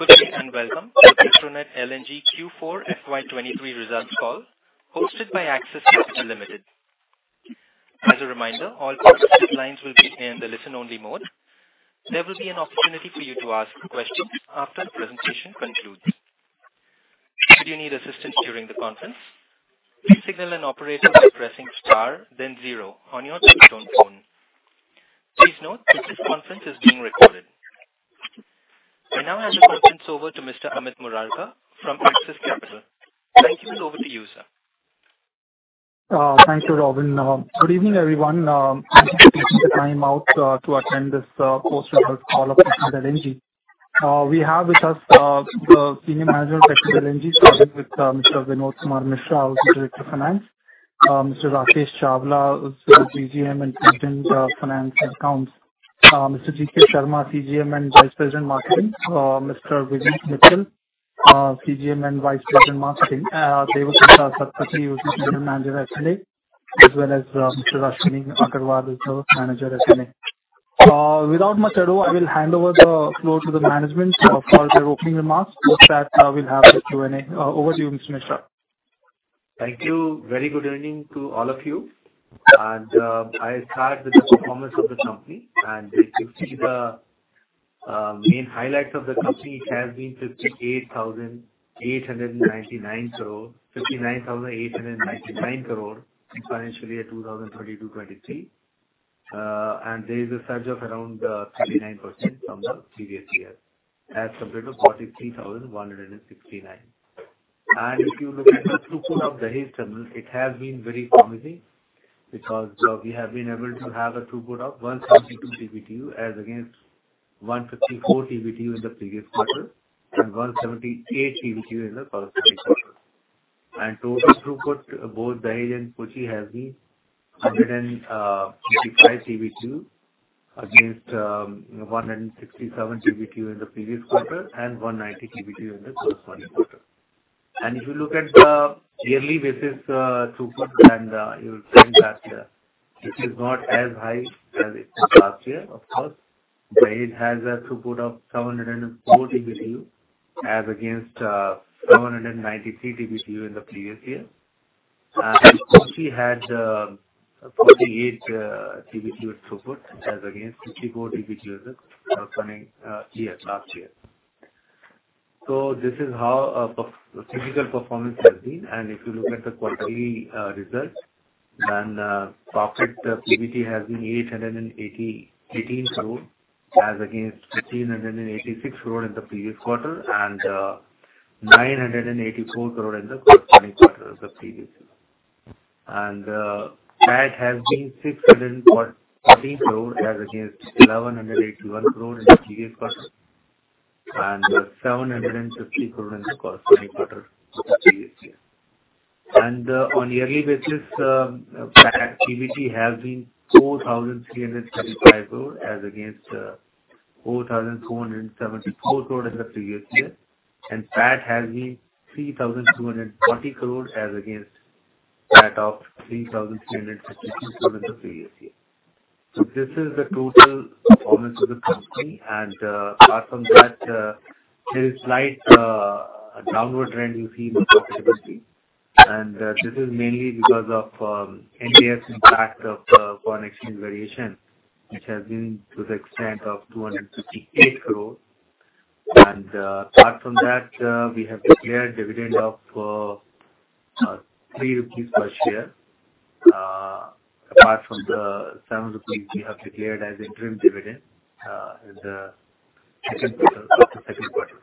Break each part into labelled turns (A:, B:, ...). A: Ladies and gentlemen, good day, and welcome to Petronet LNG Q4 FY 23 results call, hosted by Axis Capital Limited. As a reminder, all participant lines will be in the listen-only mode. There will be an opportunity for you to ask questions after the presentation concludes. Should you need assistance during the conference, please signal an operator by pressing Star then zero on your touchtone phone. Please note this conference is being recorded. I now hand the conference over to Mr. Amit Murarka from Axis Capital. Thank you. Over to you, sir.
B: Thank you, Robin. Good evening, everyone. Thank you for taking the time out to attend this post results call of Petronet LNG. We have with us the senior manager of Petronet LNG, starting with Mr. Vinod Kumar Mishra, our Director of Finance, Mr. Rakesh Chawla, who's the GGM and President of Finance and Accounts, Mr. GK Sharma, CGM and Vice President, Marketing, Mr. Vivek Mittal, GGM and President, Marketing, Debabrata Satpathy, who's the General Manager, F&A, as well as Mr. Ashwani Agarwal, who's the Manager, Finance and Accounts. Without much ado, I will hand over the floor to the management for their opening remarks. After that, we'll have the Q&A. Over to you, Mr. Mishra.
C: Thank you. Very good evening to all of you. I start with the performance of the company. If you see the main highlights of the company, it has been 58,899 crore, 59,899 crore, financially at 2022/2023. There's a surge of around 39% from the previous year, as compared to 43,169 crore. If you look at the throughput of Dahej Terminal, it has been very promising because we have been able to have a throughput of 172 TBTU, as against 154 TBTU in the previous quarter, and 178 TBTU in the current quarter. Total throughput, both Dahej and Kochi has been 155 TBTU against 167 TBTU in the previous quarter, and 190 TBTU in the corresponding quarter. If you look at the yearly basis, throughput, you'll find that it is not as high as it was last year, of course. Dahej has a throughput of 704 TBTU, as against 793 TBTU in the previous year. Kochi had 48 TBTU of throughput, as against 54 TBTU as of coming year, last year. This is how physical performance has been. If you look at the quarterly results, then profit PBT has been 818 crore, as against 1,586 crore in the previous quarter, and 984 crore in the corresponding quarter of the previous year. PAT has been 640 crore, as against 1,181 crore in the previous quarter, and 750 crore in the corresponding quarter of the previous year. On a yearly basis, PAT PBT has been 4,335 crore as against 4,274 crore in the previous year. PAT has been 3,240 crore as against PAT of 3,352 crore in the previous year. This is the total performance of the company. Apart from that, there is slight downward trend you see in the profitability, and this is mainly because of NPS impact of foreign exchange variation, which has been to the extent of 258 crore. Apart from that, we have declared dividend of 3 rupees per share. Apart from the 7 rupees, we have declared as interim dividend in the second quarter, the second quarter.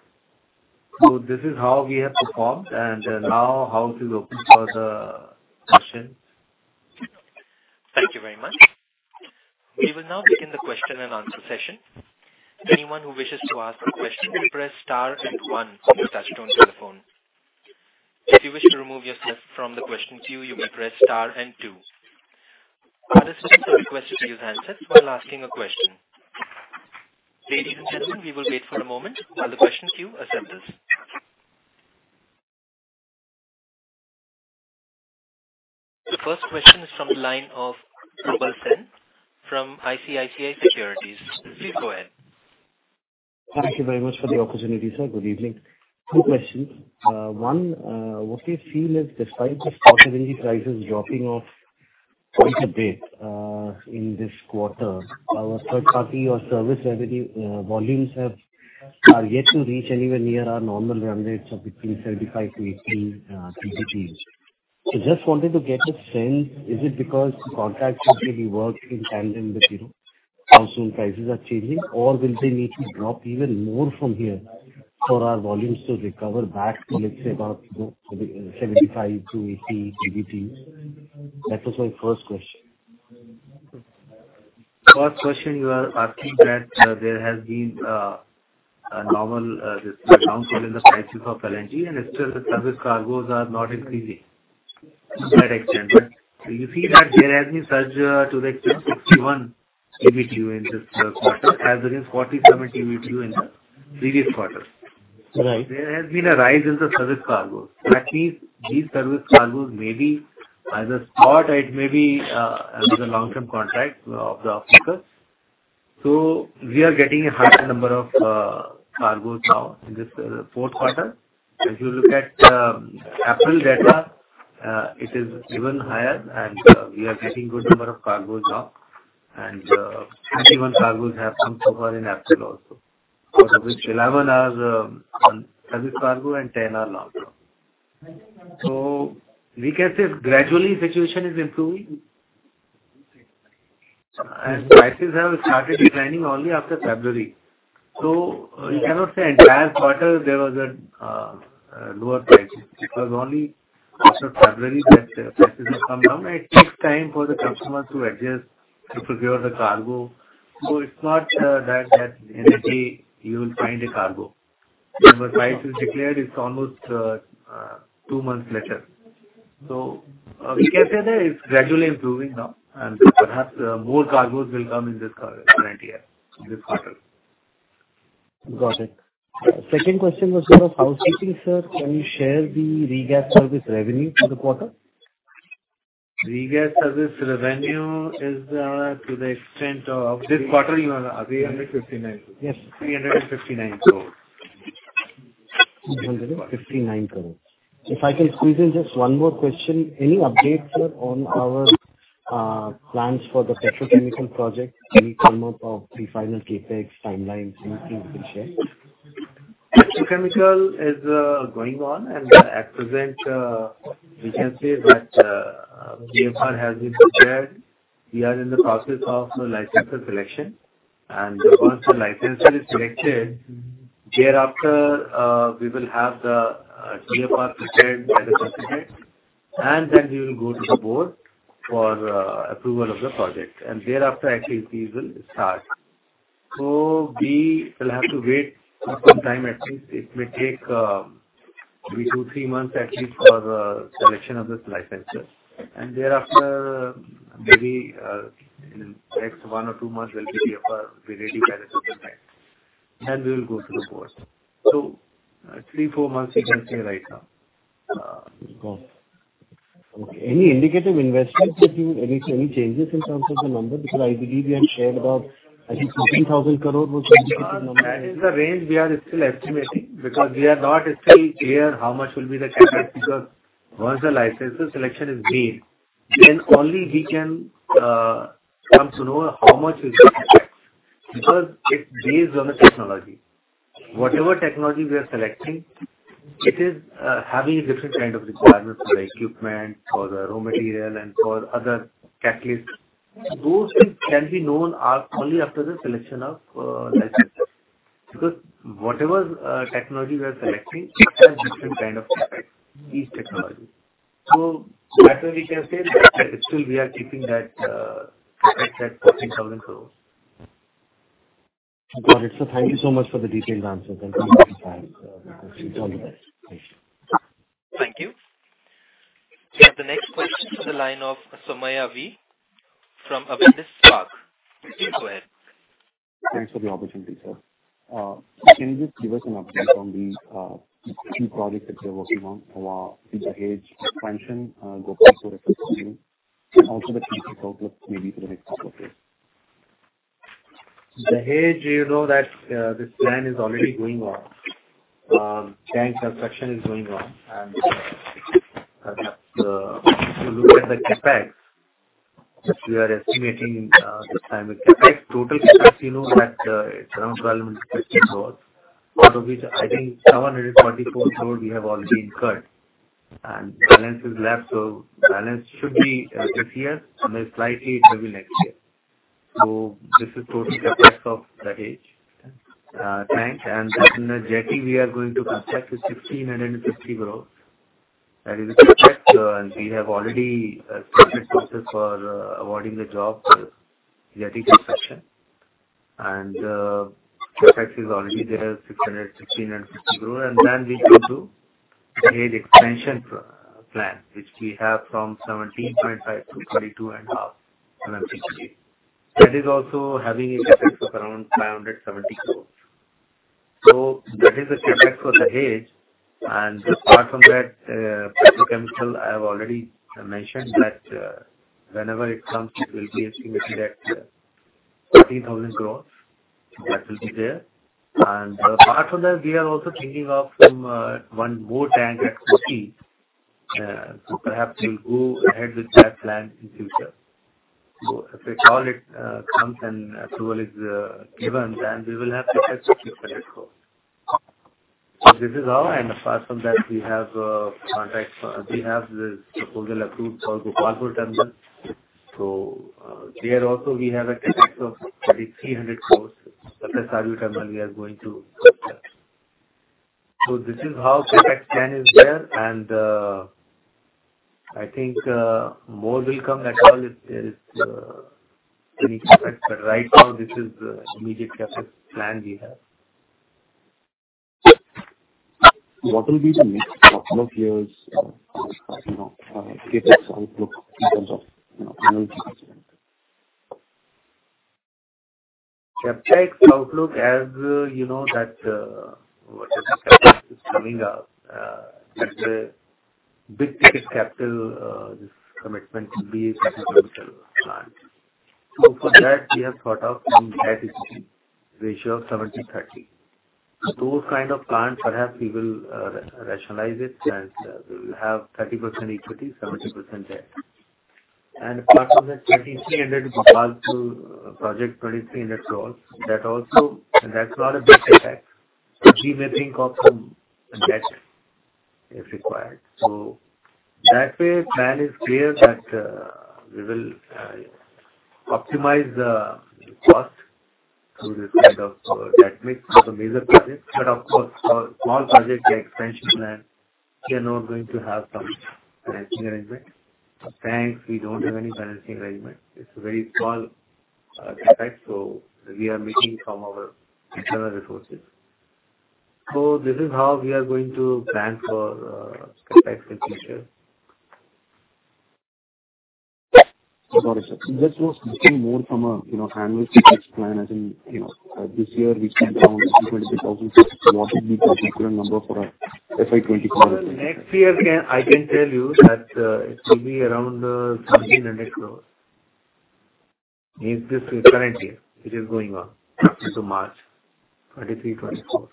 C: This is how we have performed, and now house is open for the questions.
A: Thank you very much. We will now begin the question-and-answer session. Anyone who wishes to ask a question, press star and one on your touch-tone telephone. If you wish to remove yourself from the question queue, you may press star and two. Participants are requested to use handsets while asking a question. Ladies and gentlemen, we will wait for a moment while the question queue assembles. The first question is from the line of Probal Sen, from ICICI Securities. Please go ahead.
D: Thank you very much for the opportunity, sir. Good evening. 2 questions. One, what do you feel is despite the spot LNG prices dropping off quite a bit in this quarter, our third party, our service revenue, volumes have, are yet to reach anywhere near our normal run rates of between 75-80 TBTUs. Just wanted to get a sense, is it because contracts usually work in tandem with, you know, consortium prices are changing, or will they need to drop even more from here for our volumes to recover back to, let's say, about 75-80 TBTUs? That was my first question.
C: First question you are asking that there has been a normal downcall in the prices of LNG. Still the service cargoes are not increasing to that extent. You see that there has been such to the extent of 61 TBTU in this quarter, as against 47 TBTU in the previous quarter. There has been a rise in the service cargoes. That means these service cargoes may be as a spot, it may be as a long-term contract of the officers. We are getting a higher number of cargoes now in this fourth quarter. If you look at April data, it is even higher, and we are getting good number of cargoes now. 31 cargoes have come so far in April also, out of which 11 are, on service cargo and 10 are long term. We can say gradually situation is improving. Prices have started declining only after February. You cannot say entire quarter there was a lower price. It was only after February that prices have come down, and it takes time for the customers to adjust, to procure the cargo. It's not that, that immediately you will find a cargo. When the price is declared, it's almost 2 months later. We can say that it's gradually improving now, and perhaps, more cargoes will come in this current year, this quarter.
D: Got it. Second question was of housekeeping, sir. Can you share the regasification service revenue for the quarter?
C: Regas service revenue is, to the extent of.
D: This quarter, you know.
C: 359.
D: Yes.
C: Three hundred and fifty-nine crores.
D: INR 359 crore. If I can squeeze in just one more question: Any updates, sir, on our plans for the petrochemical project? Any come up of the final CapEx timelines, anything you can share?
C: Petrochemical is going on. At present, we can say that DFR has been prepared. We are in the process of the licensor selection, and once the licensor is selected, thereafter, we will have the DFR prepared by the consultant, and then we will go to the board for approval of the project, and thereafter, actually, we will start. We will have to wait some time at least. It may take two, three months at least for the selection of this licensor. Thereafter, maybe, in next one or two months, we'll be up, be ready by the certain time, and we will go to the board. Three, four months we can say right now.
D: Okay. Any indicative investments that you... Any, any changes in terms of the number? I believe you had shared about, I think, 14,000 crore was-
C: That is the range we are still estimating, because we are not still clear how much will be the CapEx, because once the licensor selection is made, then only we can come to know how much is the CapEx, because it's based on the technology. Whatever technology we are selecting, it is having different kind of requirements for the equipment, for the raw material and for other catalysts. Those things can be known only after the selection of licensor. Whatever technology we are selecting, it has different kind of effects, each technology. That way we can say that still we are keeping that CapEx at 14,000 crore.
D: Got it. Sir, thank you so much for the detailed answer. Thank you. All the best.
A: Thank you. We have the next question in the line of Saumya V from Avendus Spark. Please go ahead.
E: Thanks for the opportunity, sir. Can you just give us an update on the key projects that you're working on about the Dahej expansion, Gopalpur expansion, and also the key outlook maybe for the next couple of years?
C: The Dahej, you know, that this plan is already going on. Tank construction is going on, and if you look at the CapEx, we are estimating the time with CapEx. Total CapEx, you know, that it's around 1,250 crore, out of which I think 744 crore we have already incurred, and balance is left. Balance should be this year, and then slightly it may be next year. This is total CapEx of that Dahej tank. Then the jetty, we are going to construct with 1,650 crore. That is the CapEx, and we have already started process for awarding the job, the jetty construction. CapEx is already there, 1,650 crore. Then we go to the expansion plan, which we have from 17.5 to 22.5 MTPA. That is also having a CapEx of around 570 crore. That is the CapEx for Dahej. Apart from that, petrochemical, I have already mentioned that whenever it comes, it will be estimated at 30,000 crore. That will be there. Apart from that, we are also thinking of some one more tank at Kochi. Perhaps we'll go ahead with that plan in future. If the call it comes and approval is given, then we will have CapEx of INR 1,600,000 crore. This is all. Apart from that, we have contracts for-- We have the proposal approved for Gopalpur terminal. There also we have a CapEx of 3,300 crore, Satady terminal we are going to construct. This is how CapEx plan is there, and, I think, more will come as well if there is, any CapEx. Right now, this is the immediate CapEx plan we have.
E: What will be the next couple of years, you know, CapEx outlook in terms of, you know, annual CapEx?
C: CapEx outlook, as you know, that what is coming up, that the big ticket capital, this commitment will be plan. For that, we have thought of some debt equity ratio of 70/30. Those kind of plans, perhaps we will rationalize it, and we will have 30% equity, 70% debt. Apart from that, 3,300 project, 3,300 crore, that also, that's not a big effect. We may think of some debt if required. That way plan is clear that we will optimize the cost through this kind of mix for the major projects. Of course, for small project expansion plan, we are now going to have some financing arrangement. Banks, we don't have any financing arrangement. It's a very small CapEx, so we are making from our internal resources. This is how we are going to plan for CapEx in future.
E: Sorry, sir, just more from a, you know, annual CapEx plan, as in, you know, this year we spent around 23,000 crore. What would be the equivalent number for FY 2024?
C: Next year, I can tell you that it will be around 1,700 crore. In this current year, which is going on till March 2024.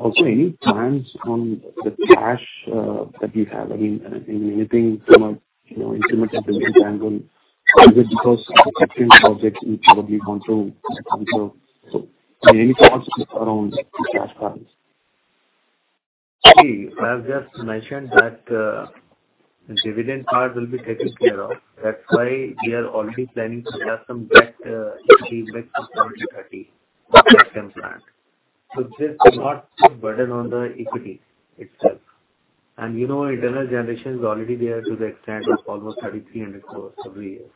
E: Also any plans on the cash that you have? I mean, anything from a, you know, intermediate angle, because projects which probably gone through. Any thoughts around the cash cards?
C: See, I have just mentioned that, dividend card will be taken care of. That's why we are already planning to have some debt, equity mix of 70/30 maximum plan. This is not a burden on the equity itself. You know, internal generation is already there to the extent of almost 3,300 crore every year.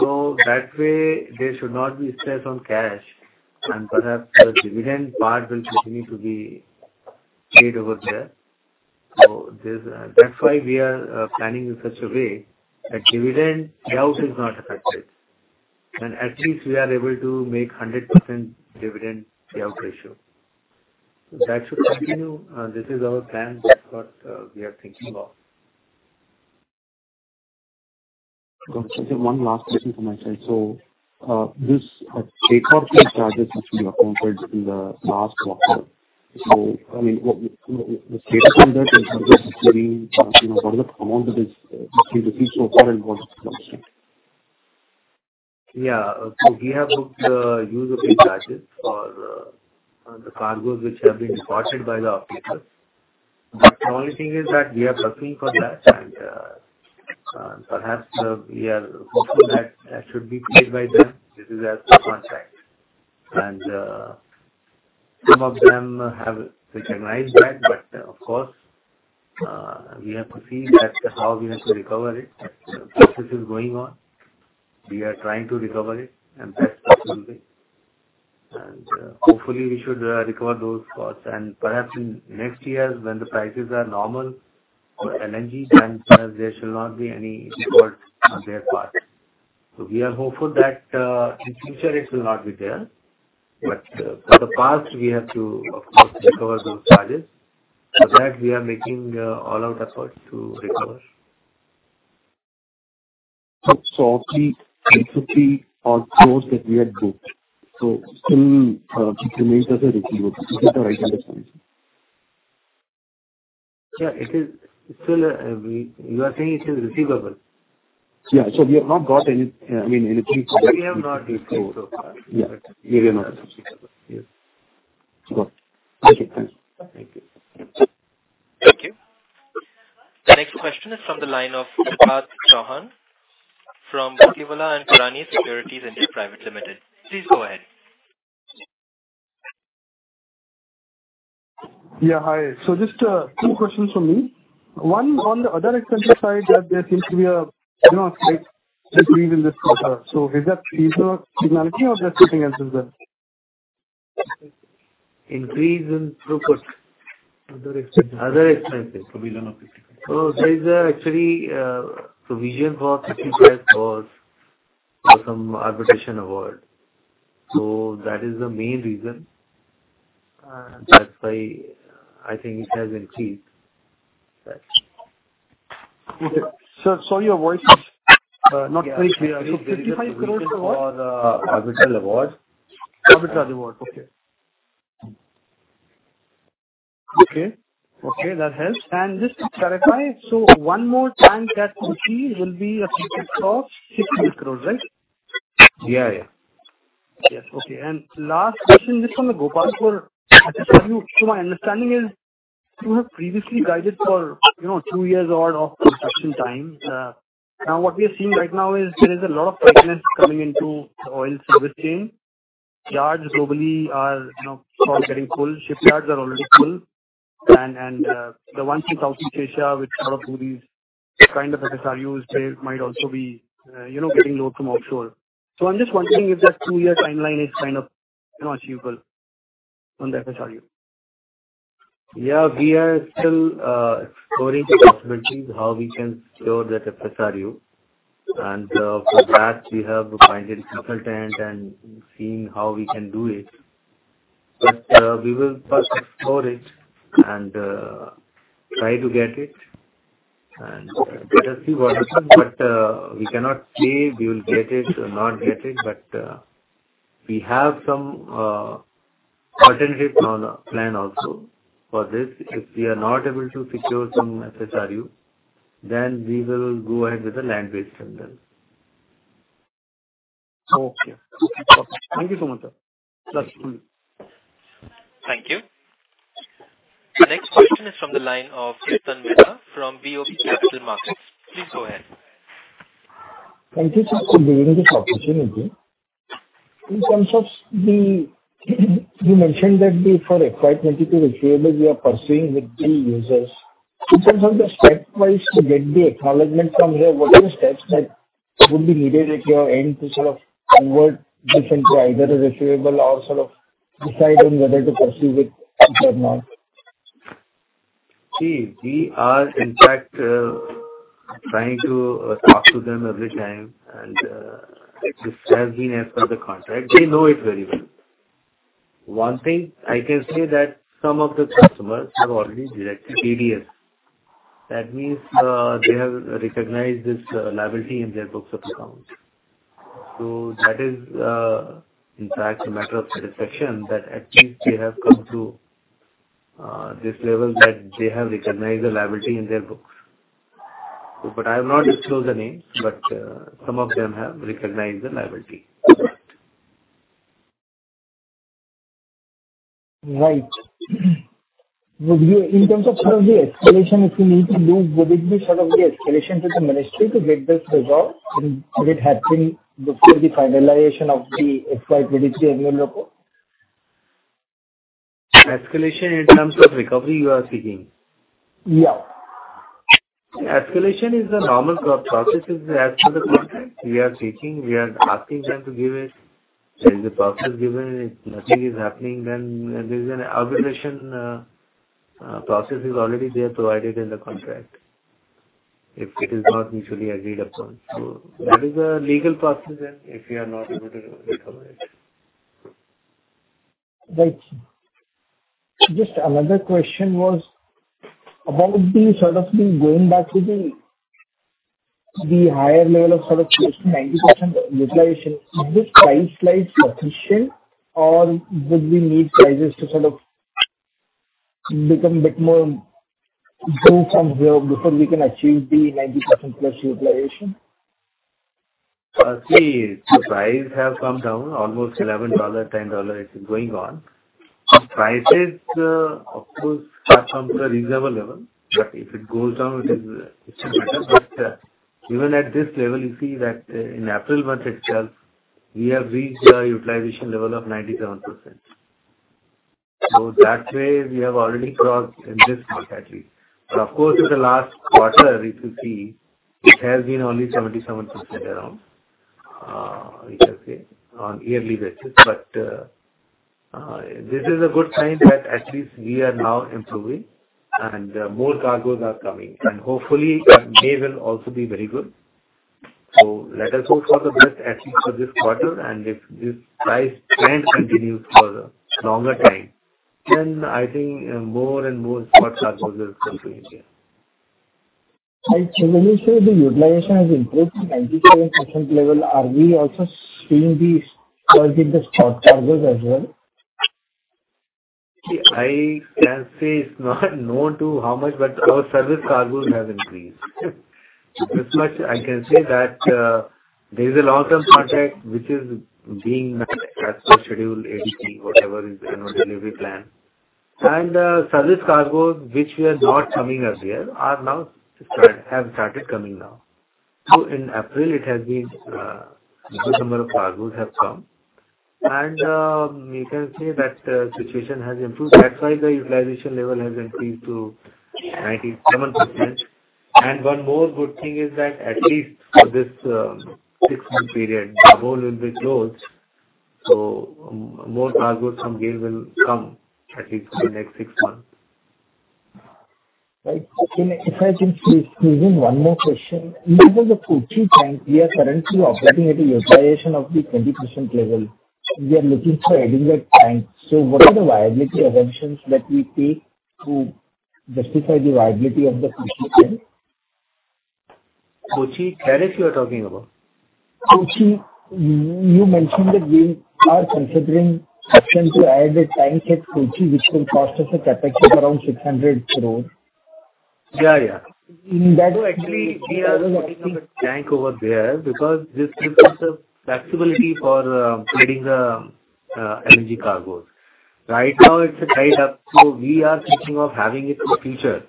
C: That way, there should not be stress on cash, and perhaps the dividend part will continue to be paid over there. That's why we are planning in such a way that dividend payout is not affected, and at least we are able to make 100% dividend payout ratio. That should continue, this is our plan, that's what we are thinking of.
E: Got you. One last question from my side. This charges which we accounted in the last quarter. I mean, what, the standard, you know, what is the amount that is so far and what?
C: Yeah. We have booked the use of charges for the cargoes which have been spotted by the operator. The only thing is that we are looking for that, perhaps we are hopeful that that should be paid by them. This is as per contract. Some of them have recognized that, but of course, we have to see that how we have to recover it. That process is going on. We are trying to recover it, and that will be... Hopefully we should recover those costs. Perhaps in next years, when the prices are normal for energy, then there should not be any record on their part. We are hopeful that in future it will not be there, but for the past, we have to of course, recover those charges. For that, we are making all out efforts to recover.
E: 3, 33 or 4 that we had booked, so still remains as a receivable. Is that the right understanding?
C: Yeah, it is. Still, you are saying it is receivable?
E: Yeah. We have not got any, I mean, anything-
C: We have not received so far.
E: Yeah, we have not received. Yeah. Got it. Thank you. Thanks.
A: Thank you. The next question is from the line of Siddharth Chauhan from Motilal Oswal Securities India Private Limited. Please go ahead.
F: Yeah, hi. just 2 questions from me. One, on the other expense side, that there seems to be a, you know, slight increase in this quarter. Is that seasonality or just something else is there?
C: Increase in throughput.
F: Other expenses.
C: Other expenses.
F: Provision of...
C: There is actually provision for that was some arbitration award. That is the main reason, that's why I think it has increased.
F: Okay. Sir, sorry, your voice is not very clear. So 55 crore award?
C: For the arbitrary award.
F: Arbitrary award. Okay. Okay. Okay, that helps. Just to clarify, one more time that we see will be approximately 60 crore, right?
C: Yeah, yeah.
F: Yes. Okay. Last question, just from the Gopalpur, for... I just, so my understanding is, you have previously guided for, you know, 2 years of construction time. Now, what we are seeing right now is there is a lot of tightness coming into oil service chain. Charges globally are, you know, getting full, shipyards are already full. The ones in Southeast Asia, which lot of these kind of FSRUs, they might also be, you know, getting load from offshore. I'm just wondering if that 2-year timeline is kind of, you know, achievable on the FSRU?...
C: Yeah, we are still exploring the possibilities, how we can store that FSRU. For that, we have appointed a consultant and seeing how we can do it. We will first explore it and try to get it, and let us see what happens. We cannot say we will get it or not get it, but we have some alternative on plan also for this. If we are not able to secure some FSRU, then we will go ahead with the land-based vendor.
G: Okay. Thank you so much, sir. That's good.
A: Thank you. The next question is from the line of Tanvi Shah from BofA Securities. Please go ahead. Thank you for giving this opportunity. In terms of the, you mentioned that the for FY 2022 receivable, we are pursuing with the users. In terms of the step-wise to get the acknowledgment from here, what are the steps that would be needed at your end to sort of convert this into either a receivable or sort of decide on whether to pursue it or not?
C: We are in fact, trying to talk to them every time, and it has been as per the contract. They know it very well. One thing I can say that some of the customers have already directed ADS. That means, they have recognized this liability in their books of accounts. That is, in fact a matter of satisfaction, that at least they have come to this level, that they have recognized the liability in their books. I have not disclosed the names, but, some of them have recognized the liability.
G: Right. Would you, in terms of sort of the escalation, if you need to do, would it be sort of the escalation to the ministry to get this resolved, and would it happen before the finalization of the FY 2023 annual report?
C: Escalation in terms of recovery you are seeking?
G: Yeah.
C: Escalation is a normal process. As per the contract, we are seeking, we are asking them to give it. There is a process given. If nothing is happening, then there is an arbitration process is already there, provided in the contract, if it is not mutually agreed upon. That is a legal process, and if you are not able to recover it.
G: Right. Just another question was about the sort of the going back to the, the higher level of sort of 90% utilization. Is this price slide sufficient, or would we need prices to sort of become a bit more, grow from here before we can achieve the 90%+ utilization?
C: See, the price have come down almost $11, $10, it's going on. Prices, of course, start from the reasonable level, but if it goes down, it is, it's better. Even at this level, you see that in April month itself, we have reached a utilization level of 97%. That way, we have already crossed in this month at least. Of course, in the last quarter, if you see, it has been only 77% around, you can say, on yearly basis. This is a good sign that at least we are now improving and more cargoes are coming, and hopefully May will also be very good. Let us hope for the best, at least for this quarter, and if this price trend continues for a longer time, then I think more and more spot cargoes will come to India.
G: Right. when you say the utilization has improved to 97% level, are we also seeing the surge in the spot cargoes as well?
C: I can say it's not known to how much, but our service cargoes has increased. This much I can say that there is a long-term contract which is being met as per schedule, ADP, whatever is annual delivery plan. Service cargoes which were not coming earlier are now start, have started coming now. So in April it has been a good number of cargoes have come. You can say that situation has improved. That's why the utilization level has increased to 97%. One more good thing is that at least for this 6-month period, the GAIL will be closed, so more cargoes from GAIL will come, at least for the next 6 months.
G: Right. If I can please squeeze in one more question. In terms of the Kochi tank, we are currently operating at a utilization of the 20% level. We are looking for adding a tank. What are the viability assumptions that we take to justify the viability of the Kochi tank?
C: Kochi, carriage you are talking about?
G: Kochi. You mentioned that we are considering option to add a tank at Kochi, which will cost us a CapEx of around 600 crore.
C: Yeah, yeah.
G: In that-
C: Actually, we are looking at a tank over there because this gives us a flexibility for trading the energy cargoes. Right now, it's a tied up, we are thinking of having it for the future.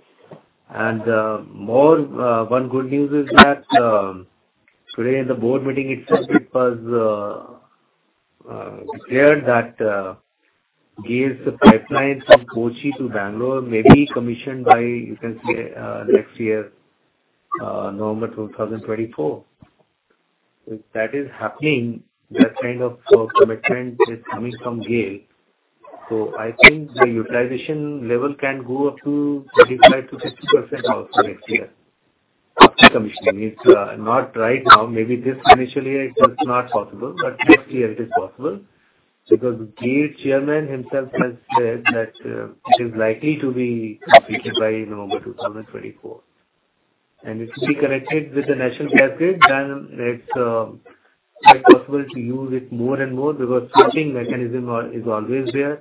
C: More one good news is that today in the board meeting itself, it was declared that Gail's pipeline from Kochi to Bangalore may be commissioned by, you can say, next year, November 2024. If that is happening, that kind of commitment is coming from Gail. I think the utilization level can go up to 35%-60% also next year, after commissioning. It's not right now. Maybe this financial year, it's not possible, but next year it is possible, because GAIL chairman himself has said that, it is likely to be completed by November 2024. It will be connected with the national gas grid, then it's quite possible to use it more and more, because switching mechanism is always there,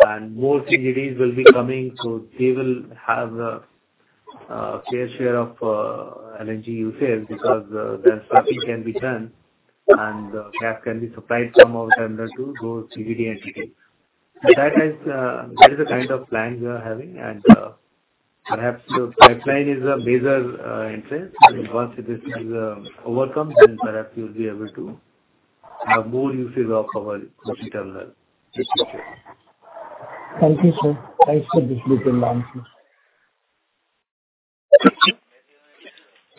C: and more CGDs will be coming, so they will have a fair share of LNG usage because then switching can be done and gas can be supplied from our terminal to those CGD entities. That is, that is the kind of plan we are having, and perhaps the pipeline is a major interest. Once this is overcome, then perhaps you'll be able to have more usage of our Kochi terminal.
G: Thank you, sir. Thanks for this detailed answer.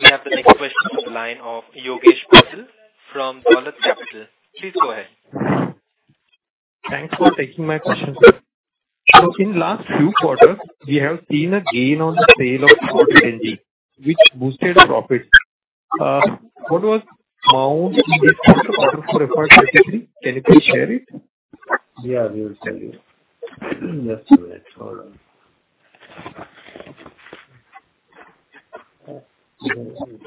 A: We have the next question on the line of Yogesh Patil from Dolat Capital. Please go ahead. Thanks for taking my question, sir. In last few quarters, we have seen a gain on the sale of LNG, which boosted the profits. What was amount in this quarter for effort specifically? Can you please share it?
C: Yeah, we will tell you. Just a minute. Hold on. Trading margin,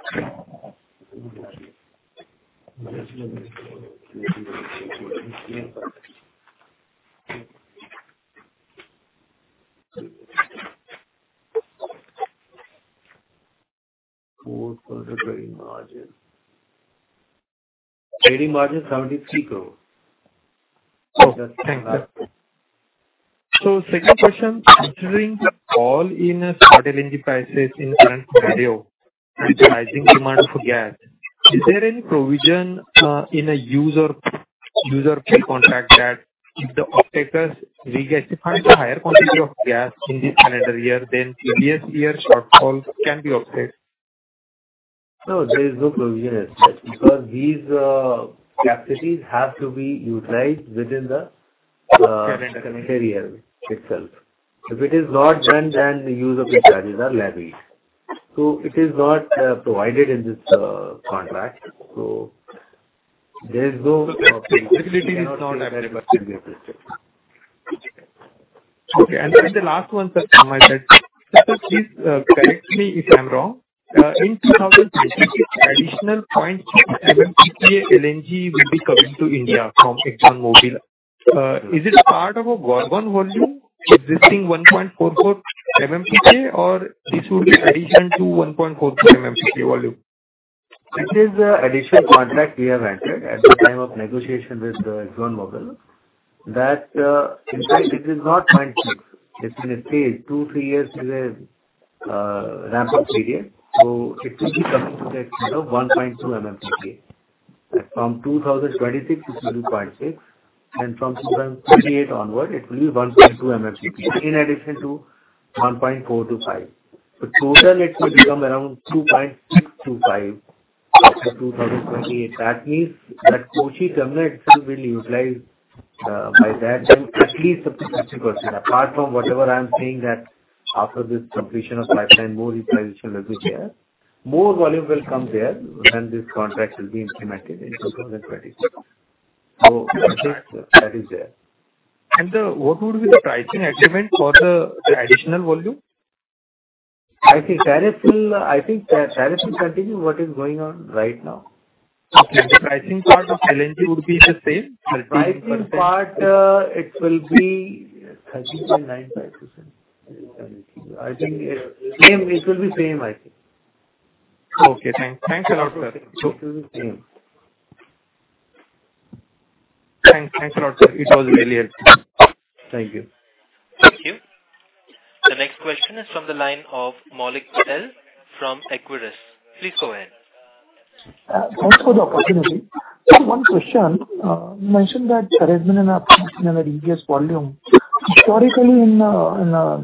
C: INR 73 crore.
H: Okay, thanks. Second question, considering the fall in spot LNG prices in current scenario and rising demand for gas, is there any provision in a user, user pay contract that if the off-takers we get to find a higher quantity of gas in this calendar year than previous year's shortfall can be offset?
C: No, there is no provision, because these capacities have to be utilized within the…
H: Calendar.
C: Period itself. If it is not done, then the use of penalties are levied. It is not provided in this contract. There is no.
H: Flexibility is not available. Okay, and the last one, sir, I might add. Sir, please, correct me if I'm wrong. In 2026, additional 0.6 MMTPA LNG will be coming to India from ExxonMobil. Is it part of a volume, existing 1.44 MMTPA, or this would be additional to 1.44 MMTPA volume?
C: It is a additional contract we have entered at the time of negotiation with ExxonMobil. That, in fact, it is not 0.6. It's in a phase. 2-3 years is a ramp-up period, so it will be coming to that, you know, 1.2 MMTPA. From 2026, it will be 0.6, and from 2028 onward, it will be 1.2 MMTPA, in addition to 1.425. Total it will become around 2.625 for 2028. That means that Kochi terminal itself will utilize by that time at least up to 60%. Apart from whatever I'm saying, that after this completion of pipeline, more utilization will be there. More volume will come there, and this contract will be implemented in 2026. I think that is there.
H: What would be the pricing adjustment for the, the additional volume?
C: I think tariff will continue what is going on right now.
H: Okay. The pricing part of LNG would be the same?
C: Pricing part, it will be 39.5%. I think it, same, it will be same, I think.
H: Okay, thanks. Thanks a lot, sir.
C: It will be same.
H: Thanks. Thanks a lot, sir. It was really helpful.
C: Thank you.
A: Thank you. The next question is from the line of Maulik Tell from Equirus. Please go ahead. Thanks for the opportunity. One question. You mentioned that there has been an increase in the regasification volume. Historically,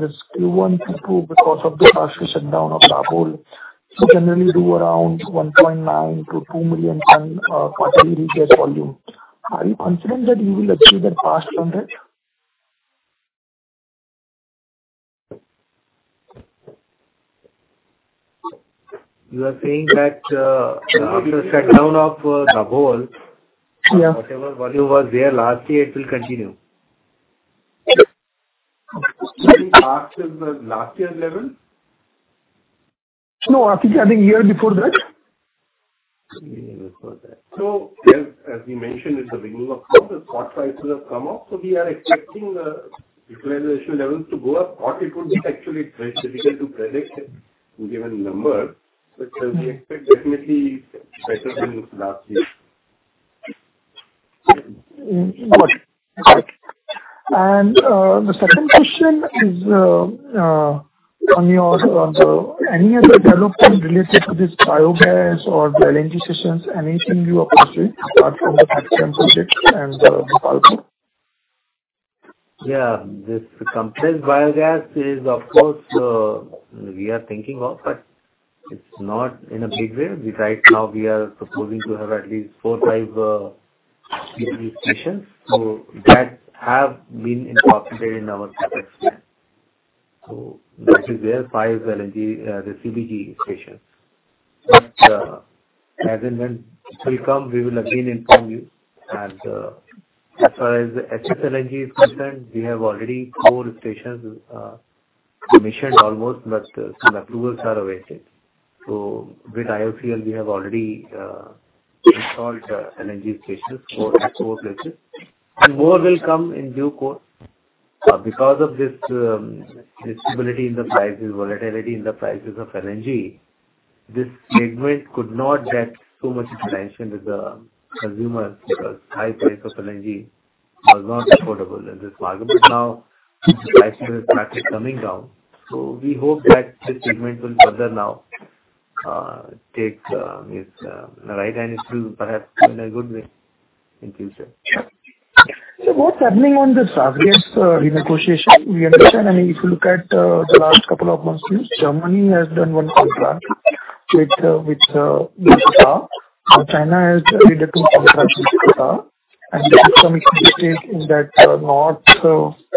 A: this Q1, Q2, because of the drastic shutdown of Dabhol, we generally do around 1.9 to 2 million ton, quarterly regasification volume. Are you confident that you will achieve that past from that?
C: You are saying that, after the shutdown of Dabhol...
I: Yeah.
C: Whatever volume was there last year, it will continue?
H: You mean past as the last year's level?
I: No, I think, I think year before that.
C: Year before that. As, as we mentioned in the beginning of call, the spot prices have come up, so we are expecting the utilization levels to go up, or it would be actually very difficult to predict given number, but we expect definitely better than last year.
I: Mm, got it. The second question is on your any other development related to this biogas or the LNG sessions, anything you apart from the factory project and the balcony?
C: Yeah, this compressed biogas is, of course, we are thinking of, but it's not in a big way. Right now we are proposing to have at least 4, 5 CBG stations. That have been incorporated in our CapEx plan. That is where 5 LNG, the CBG stations. As and when they come, we will again inform you. As far as excess LNG is concerned, we have already 4 stations commissioned almost, but some approvals are awaited. With IOCL, we have already installed LNG stations for 4 places, and more will come in due course. Because of this, this stability in the prices, volatility in the prices of LNG, this segment could not get too much attention with the consumers, because high price of LNG was not affordable in this market. Now the price has started coming down, so we hope that this segment will further now, take, this, right, and it will perhaps in a good way in future.
I: What's happening on this RasGas' renegotiation? We understand, I mean, if you look at the last couple of months, Germany has done one contract with Qatar. China has made a two contract with Qatar. The coming mistake is that not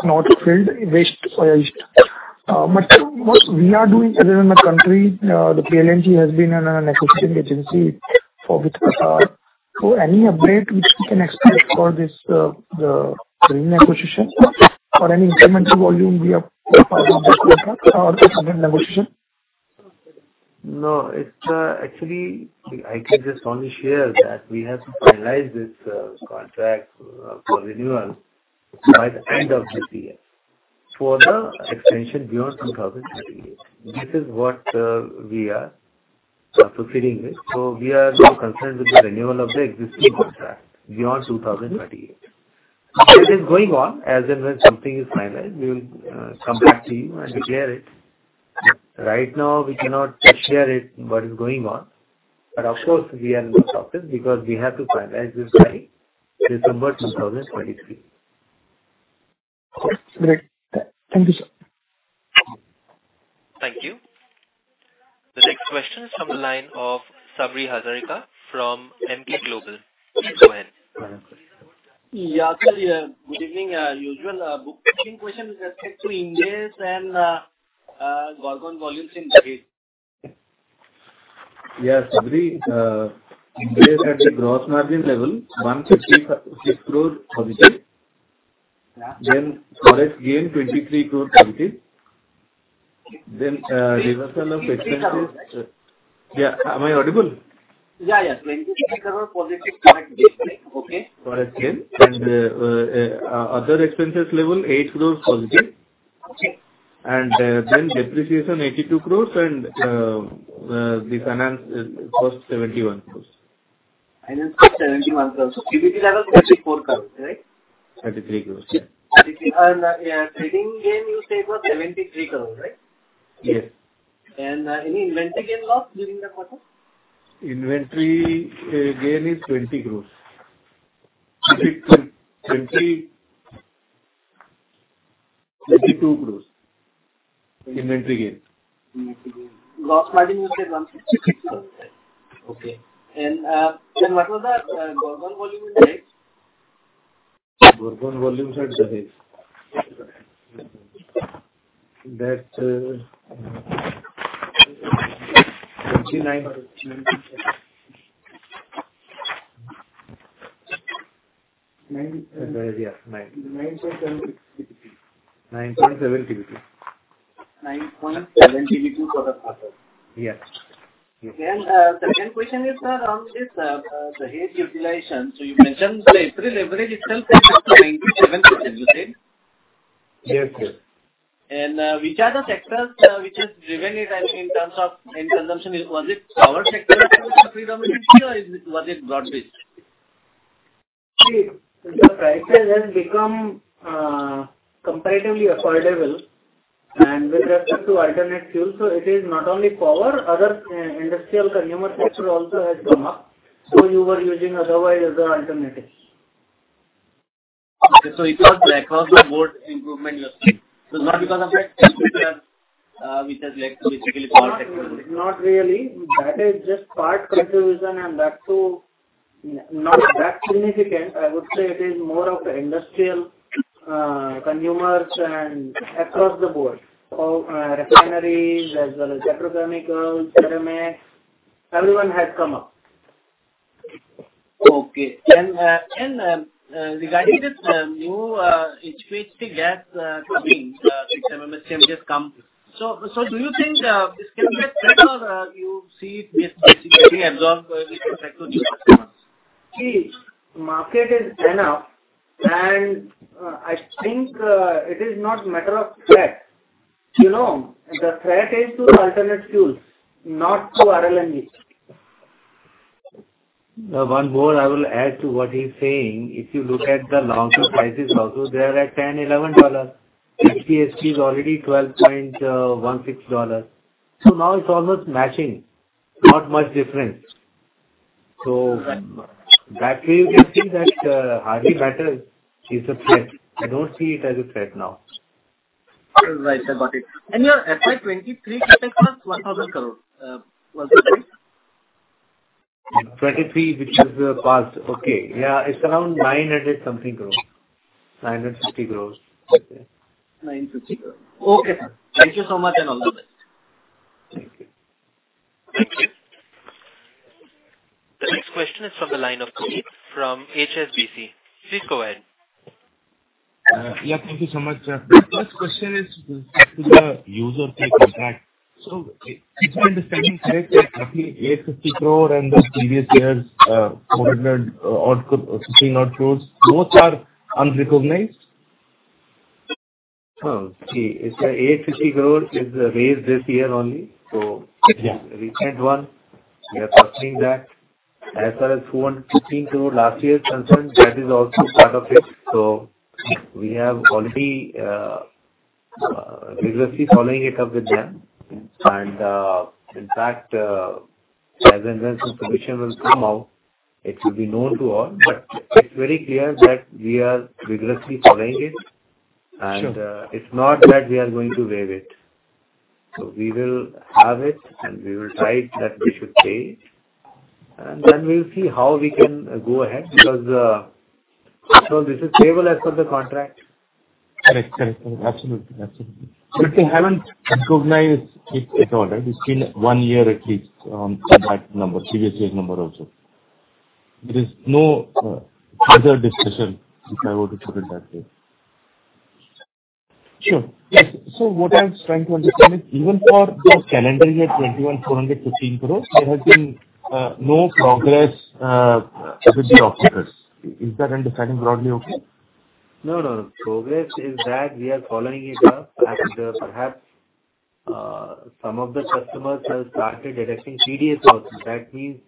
I: not filled, waste... But what we are doing other than the country, the PLNG has been an assisting agency for with Qatar. Any update which we can expect for this renegotiation or any incremental volume we have or current negotiation?
C: No, it's actually, I can just only share that we have to finalize this contract for renewal by the end of this year for the extension beyond 2028. This is what we are proceeding with. We are now concerned with the renewal of the existing contract beyond 2028. It is going on, as and when something is finalized, we will come back to you and declare it. Right now, we cannot share it, what is going on, but of course we are not stopping because we have to finalize this by December 2023.
I: Great. Thank you, sir.
A: Thank you. The next question is from the line of Sabri Hazarika from Emkay Global. Go ahead.
J: Yeah, good evening. usual, booking question with respect to India and, Gorgon volumes in Dahej.
C: Yes, Sabri, India is at the gross margin level, 156 crore positive.
J: Yeah.
C: Storage gain, 23.30 crore. Reversal of expenses-
J: 23 crore.
C: Yeah. Am I audible?
J: Yeah, yeah. 23 crore positive, correct? Okay.
C: Correct, yeah. Other expenses level, 8 crore positive.
J: Okay.
C: Depreciation, 82 crore, and the finance cost, 71 crore.
J: Finance cost, 71 crore. EBITDA level, 34 crore, right?
C: 33 crore, yeah.
J: 33. Yeah, trading gain, you said was 73 crore, right?
C: Yes.
J: Any inventory gain loss during the quarter?
C: Inventory gain is 20 crores. 20, 22 crores, inventory gain.
J: Inventory gain. Loss margin, you said one... Okay. Then what was the Gorgon volume in Dahej?
C: Gorgon volume side, Sabri Hazarika. That, 99.
J: Nine-
C: Yeah, nine.
J: 9.7 TBTU.
C: 9.7 TBTU.
J: 9.7 TBT for the quarter?
C: Yes.
J: The second question is on this Dahej utilization. So you mentioned the April leverage itself is 97%, you said?
C: Yes, yes.
J: Which are the sectors, which has driven it? I mean, in terms of end consumption, was it power sector or was it broad-based?
I: The prices has become comparatively affordable, and with respect to alternate fuels, so it is not only power, other industrial consumer sector also has come up. You were using otherwise as an alternative.
J: Okay. It was across the board improvement you are saying? Not because of that, which has led to basically power-?
I: Not really. That is just part contribution, and that's so, not that significant. I would say it is more of the industrial consumers and across the board. All refineries, as well as petrochemicals, ceramics, everyone has come up.
J: Okay. regarding this, new, HPHT gas, coming, which MMSM just come. Do you think, this can be a threat or, you see it basically absorbed with respect to the customers?
I: See, market is enough, and I think it is not matter of threat. You know, the threat is to alternate fuels, not to RLNG.
C: One more I will add to what he's saying. If you look at the longer prices also, they are at $10-$11. HPHT is already $12.16. Now it's almost matching, not much difference. That way you can see that hardly matters. It's a threat. I don't see it as a threat now.
J: You're right about it. Your FY 2023 was INR 1,000 crore, was it right?
C: 23, which is the past. Okay. Yeah, it's around 900 something crore. 950 crore.
J: 950 crore. Okay, sir. Thank you so much, and all the best.
C: Thank you.
A: Thank you. The next question is from the line of Keith from HSBC. Please go ahead.
K: Yeah, thank you so much. The first question is to the user fee contract. Is my understanding correct, that roughly 850 crore in the previous years, 450 odd crore, those are unrecognized?
C: Oh, see, it's the INR 850 crore is raised this year only.
K: Yeah.
C: -recent one, we are pursuing that. As far as 415 crore last year is concerned, that is also part of it. We have already, rigorously following it up with them. In fact, as and when some solution will come out, it will be known to all. It's very clear that we are rigorously following it.
K: Sure.
C: It's not that we are going to waive it. We will have it, and we will try it, that we should pay, and then we'll see how we can go ahead, because. This is payable as per the contract.
K: Correct, correct, correct. Absolutely, absolutely. You haven't recognized it at all, right? It's been one year at least, that number, previous year's number also. There is no further discussion, if I were to put it that way. Sure. Yes. What I was trying to understand is, even for this calendar year 2021, 415 crore, there has been no progress with the off-takers. Is that understanding broadly okay?
C: No, no. Progress is that we are following it up, perhaps, some of the customers have started enacting CDS also. That means-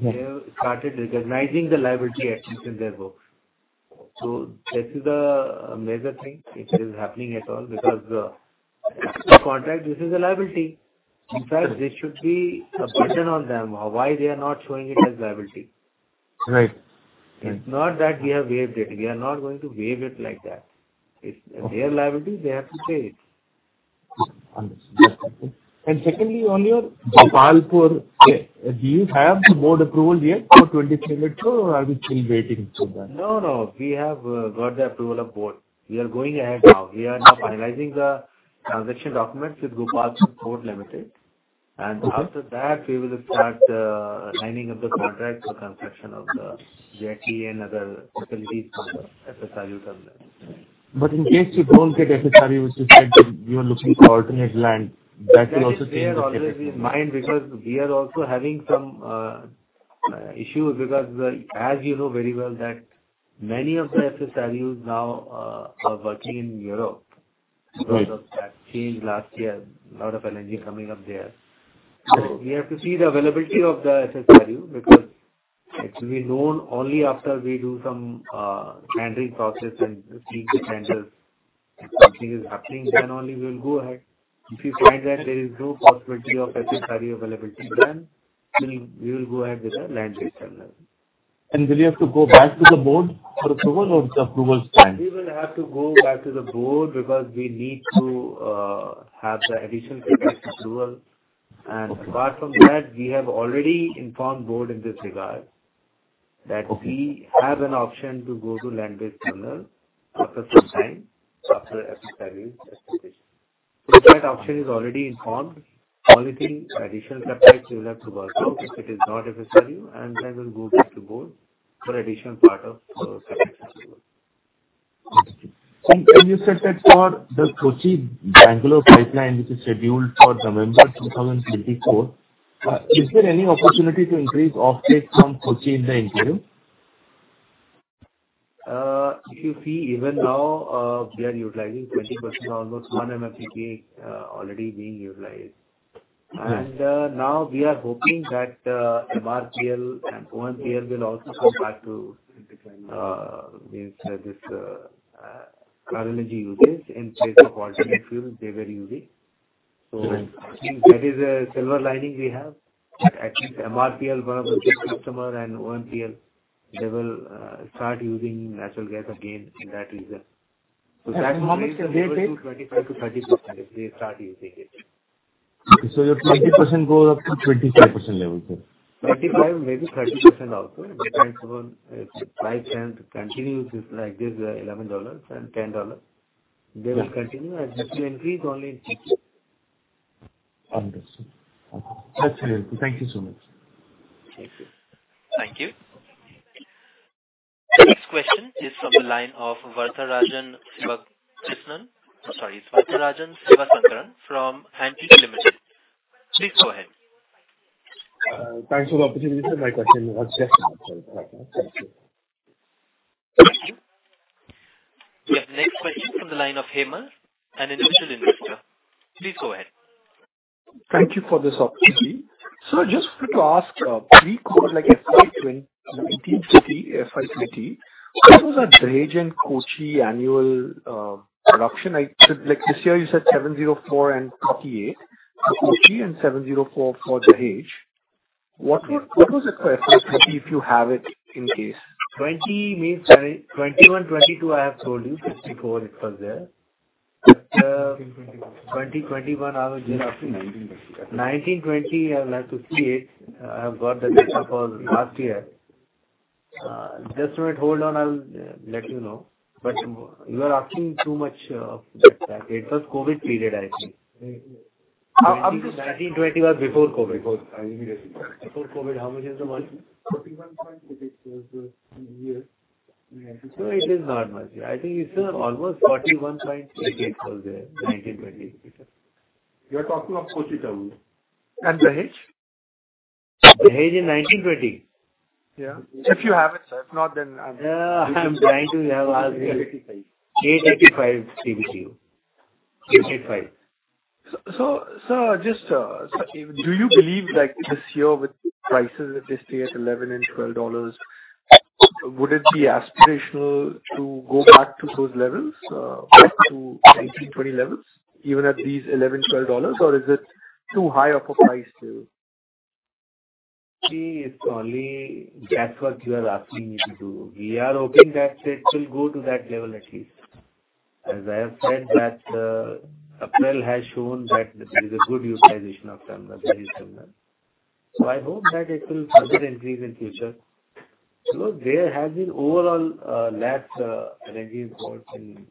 K: Yeah.
C: they have started recognizing the liability at least in their books. This is a major thing which is happening at all, because, as per contract, this is a liability. In fact, there should be a question on them, why they are not showing it as liability.
K: Right.
C: It's not that we have waived it. We are not going to waive it like that. It's their liability, they have to pay it.
K: Understood. Secondly, on your Gopalpur, do you have board approval yet for 23 million, or are we still waiting for that?
C: No, no. We have got the approval of board. We are going ahead now. We are now finalizing the transaction documents with Gopalpur Port Limited, and after that, we will start signing of the contract for construction of the jetty and other facilities for the FSRU terminal.
K: In case you don't get FSRU, you said that you are looking for alternate land. That will also change.
C: That is there already in mind, because we are also having some issues, because as you know very well that many of the FSRUs now are working in Europe.
K: Right.
C: Because of that change last year, a lot of LNG coming up there. We have to see the availability of the FSRU, because it will be known only after we do some rendering process and seeing the tenders, if something is happening, then only we will go ahead. If you find that there is no possibility of FSRU availability, then we'll, we will go ahead with the land-based terminal.
K: Will you have to go back to the board for approval, or the approval stands?
C: We will have to go back to the board because we need to have the additional capacity approval.
K: Okay.
C: Apart from that, we have already informed board in this regard.
K: Okay.
C: that we have an option to go to land-based terminal after some time, after FSRU expectation. So that option is already informed. Only thing, additional capacity we will have to work out if it is not FSRU, and then we'll go back to board for additional part of capacity.
K: You said that for the Kochi Bangalore pipeline, which is scheduled for November 2024, is there any opportunity to increase offtake from Kochi in the interim?
C: If you see even now, we are utilizing 20%, almost 1 MMSCMD, already being utilized.
K: Right.
C: Now we are hoping that MRPL and OMPL will also come back to this LNG usage in place of alternate fuels they were using.
K: Mm-hmm.
C: I think that is a silver lining we have. I think MRPL, one of the big customer, and OMPL, they will start using natural gas again in that region.
K: At what moment can they take?
C: 25%-30%, if they start using it.
K: Your 20% go up to 25% level then?
C: 25, maybe 30% also, depends upon if the price trend continues just like this, $11 and $10, they will continue. This will increase only.
K: Understood. Okay. Thank you so much.
C: Thank you.
A: Thank you. Next question is from the line of Varatharajan Sivasankaran. Sorry, Varatharajan Sivasankaran from Antique Limited. Please go ahead.
J: Thanks for the opportunity. My question was just answered. Thank you.
A: Thank you. We have next question from the line of Hemal, an individual investor. Please go ahead.
L: Thank you for this opportunity. I just wanted to ask, pre-COVID, like FY 2020, 1950, FY 2020, what was our Dahej and Kochi annual production? I, like, this year you said 704 and 38 for Kochi and 704 for Dahej. What was the first, if you have it, in case?
C: 20 means 20, 21, 22, I have told you, 64 it was there. 20, 21 I was just-
L: Nineteen.
C: 19, 20, I will have to see it. I have got the data for last year. Just wait, hold on, I'll let you know. You are asking too much of that. It was COVID period, I think.
L: 2019, 2020 was before Covid.
C: Before Covid, how much is the one?
L: 41.8 was the year.
C: No, it is not much. I think it's almost 41.8 was there, 19, 20.
L: You're talking of Kochi terminal.
J: Dahej?
C: Dahej in 2020?
L: Yeah.
J: If you have it, sir. If not, then.
C: I'm trying to have.
L: 885.
C: 885, CBQ. 885.
L: Just do you believe that this year with prices at this stage, at $11-$12, would it be aspirational to go back to those levels, to $18-$20 levels, even at these $11-$12? Or is it too high of a price to...?
C: See, it's only that what you are asking me to do. We are hoping that it will go to that level, at least. As I have said, that April has shown that there is a good utilization of terminal. I hope that it will further increase in future. There has been overall less energy involved in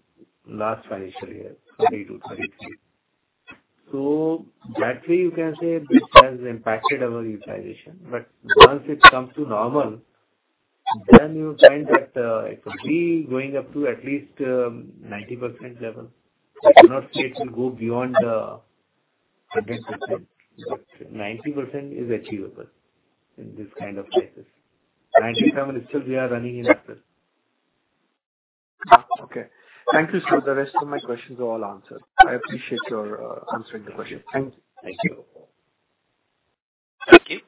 C: last financial year, 20-23. That way you can say this has impacted our utilization. Once it comes to normal, then you find that it could be going up to at least 90% level. I cannot say it will go beyond 100%, but 90% is achievable in this kind of cases. 97% still we are running in April.
L: Okay. Thank you, sir. The rest of my questions are all answered. I appreciate your answering the question. Thank you.
C: Thank you.
A: Thank you.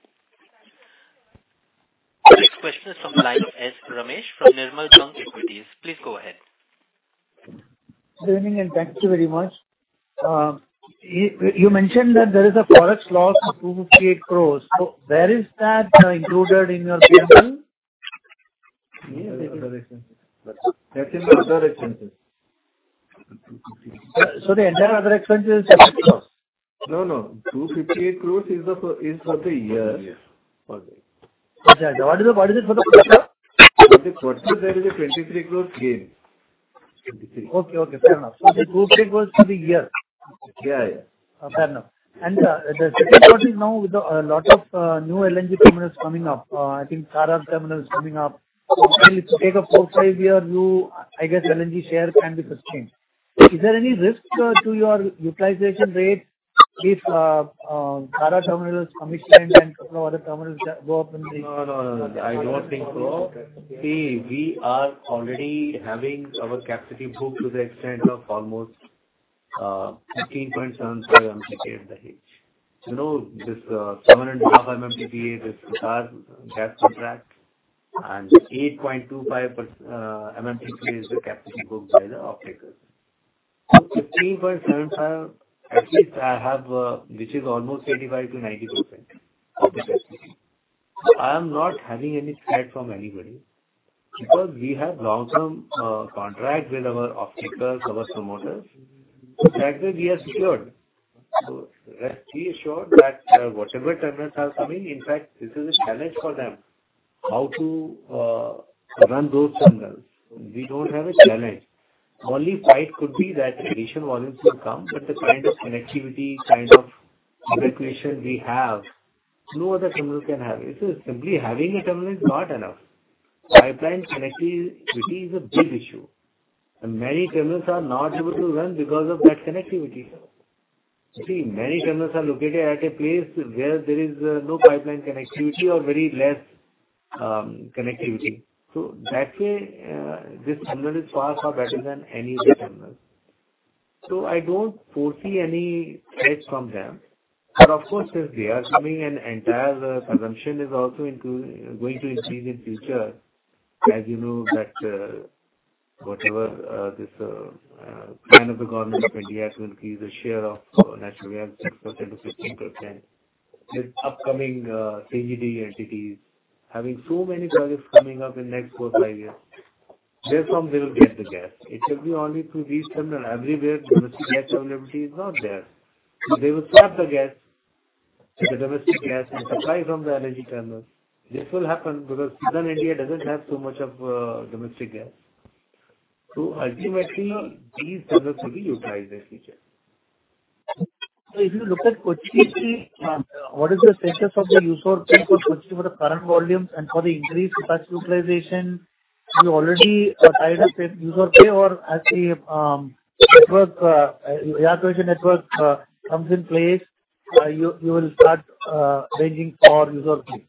A: Next question is from line S. Ramesh from Nirmal Bang Equities. Please go ahead.
M: Good evening, thank you very much. You, you mentioned that there is a Forex loss of 258 crore. Where is that included in your P&L?
C: That's in the other expenses.
M: The entire other expense is INR 20 crore?
C: No, no, 258 crore is for, is for the year.
M: Yes. Got it. What is the, what is it for the quarter?
C: For the quarter, there is a INR 23 crore gain. INR 23 crore.
M: Okay, okay, fair enough. The INR 250 crore for the year?
C: Yeah, yeah.
M: Fair enough. The second part is now with a lot of new LNG terminals coming up, I think Karaikal terminal is coming up. If you take a 4, 5-year view, I guess LNG share can be sustained. Is there any risk to your utilization rate if Karaikal terminal is commissioned and some other terminals go up?
C: No, no, I don't think so. See, we are already having our capacity booked to the extent of almost 15.75 MMTPA, Dahej. You know, this 7.5 MMTPA, this our gas contract, and 8.25 per MMTPA is the capacity booked by the off-takers. 15.75, at least I have, which is almost 85%-90% of the capacity. I am not having any threat from anybody because we have long-term contract with our off-takers, our promoters. That way we are secured. Rest be assured that whatever terminals are coming, in fact, this is a challenge for them, how to run those terminals. We don't have a challenge. Only fight could be that additional volumes will come, but the kind of connectivity, kind of regulation we have, no other terminal can have. It is simply having a terminal is not enough. Pipeline connectivity is a big issue, and many terminals are not able to run because of that connectivity. You see, many terminals are located at a place where there is no pipeline connectivity or very less connectivity. That way, this terminal is far, far better than any other terminal. I don't foresee any threat from them. Of course, if they are coming, and entire consumption is also going to increase in future, as you know, that whatever this plan of the government of India to increase the share of natural gas, 6% to 15%, with upcoming CGD entities, having so many projects coming up in next 4, 5 years, where from they will get the gas? It will be only through these terminal. Everywhere domestic gas availability is not there. They will trap the gas, the domestic gas, and supply from the LNG terminals. This will happen because southern India doesn't have so much of domestic gas. Ultimately, these terminals will be utilized in future.
M: If you look at Kochi, what is the status of the user pay for Kochi for the current volumes and for the increased gas utilization? You already tied up with user pay or as the network evacuation network comes in place, you, you will start ranging for user pay?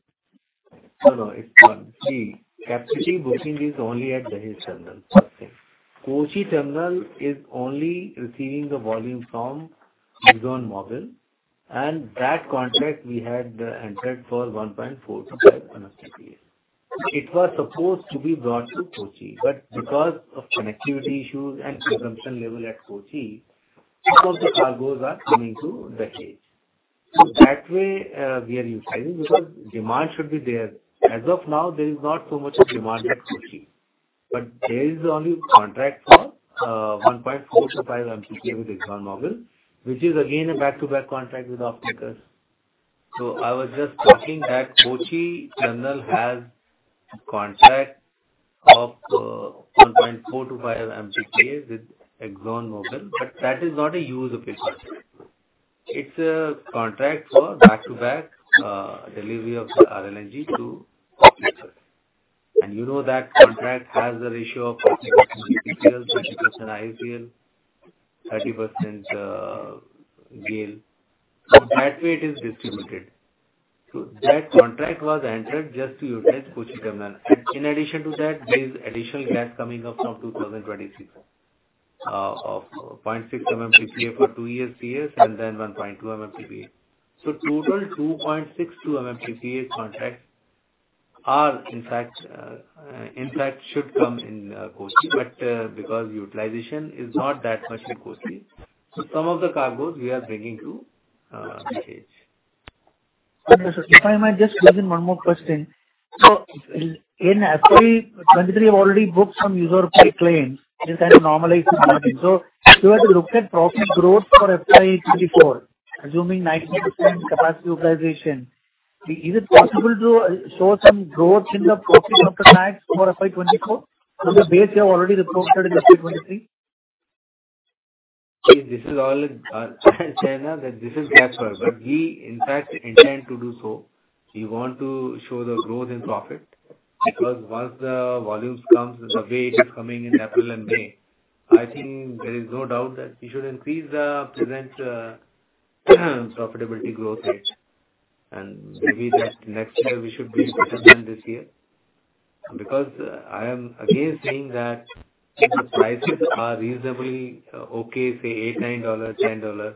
C: No, no, it's one. See, capacity booking is only at Dahej terminal. Kochi terminal is only receiving the volume from ExxonMobil. That contract we had entered for 1.42 MMTPA. It was supposed to be brought to Kochi, but because of connectivity issues and consumption level at Kochi, some of the cargoes are coming to Dahej. That way, we are utilizing because demand should be there. As of now, there is not so much of demand at Kochi, but there is only contract for 1.425 MMTPA with ExxonMobil, which is again a back-to-back contract with off-takers. I was just talking that Kochi terminal has a contract of 1.425 MMTPA with ExxonMobil, but that is not a use of it. It's a contract for back-to-back delivery of the RLNG to off-takers. You know that contract has a ratio of 50% BPCL, 20% IOCL, 30%, GAIL. That way it is distributed. That contract was entered just to utilize Kochi terminal. In addition to that, there is additional gas coming up from 2026, of 0.6 MMTPA for 2 years, 3 years, and then 1.2 MMTPA. Total 2.62 MMTPA contract are in fact, should come in Kochi, because utilization is not that much at Kochi, some of the cargoes we are bringing to Dahej.
M: If I might just squeeze in one more question? In FY 2023, you already booked some user fee claims, it is kind of normalized now. If you were to look at profit growth for FY 2024, assuming 90% capacity utilization, is it possible to show some growth in the profit after tax for FY 2024, on the base you have already reported in FY 2023?
C: This is all, Chhina, that this is catchfall. We in fact intend to do so. We want to show the growth in profit, because once the volumes comes, the way it is coming in April and May, I think there is no doubt that we should increase the present profitability growth rate. Maybe just next year we should be better than this year. I am again saying that if the prices are reasonably okay, say $8, $9, $10,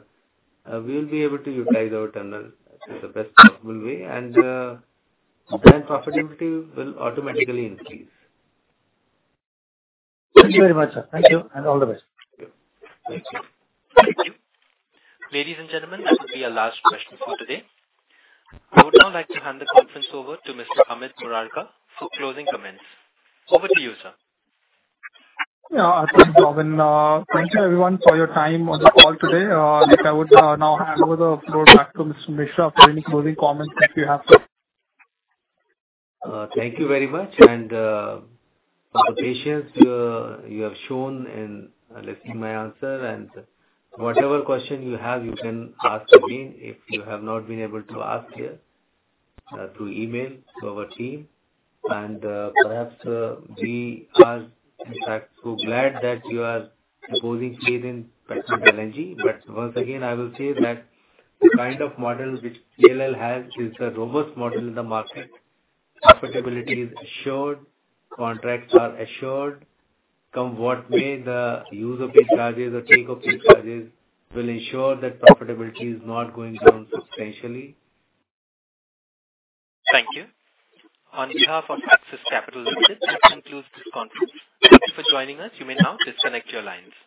C: we will be able to utilize our terminal in the best possible way, and then profitability will automatically increase.
M: Thank you very much, sir. Thank you, and all the best.
C: Thank you.
A: Thank you. Ladies and gentlemen, that will be our last question for today. I would now like to hand the conference over to Mr. Amit Murarka for closing comments. Over to you, sir.
B: Yeah, thank you, Robin. Thank you everyone for your time on the call today. I would now hand over the floor back to Mr. Mishra for any closing comments if you have to.
C: Thank you very much for the patience you, you have shown in listening my answer. Whatever question you have, you can ask again if you have not been able to ask here through email to our team. Perhaps we are in fact so glad that you are proposing faith in Petronet LNG. Once again, I will say that the kind of model which PLL has is a robust model in the market. Profitability is assured, contracts are assured. Come what may, the use of these charges or take-up charges will ensure that profitability is not going down substantially.
A: Thank you. On behalf of Axis Capital Limited, this concludes this conference. Thank you for joining us. You may now disconnect your lines.